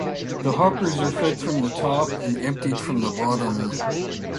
The hoppers are fed from the top and emptied from the bottom.